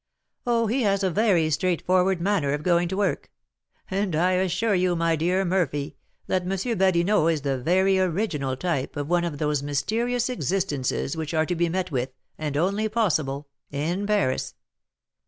"Oh, he has a very straightforward manner of going to work! And I assure you, my dear Murphy, that M. Badinot is the very original type of one of those mysterious existences which are to be met with, and only possible, in Paris.